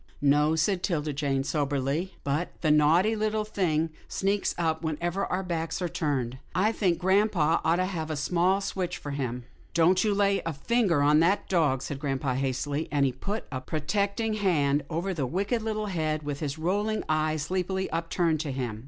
"No," said 'Tilda Jane, soberly, "but the naughty little thing sneaks up whenever our backs are turned. I think grampa ought to have a small switch for him." " Don't you lay a finger on that dog," said grampa, hastily, and he put a protecting hand over the wicked, little head with the rolling eyes, sleepily upturned to him.